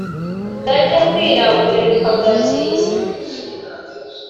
, bwajya kwira umuriro ukaba uragiye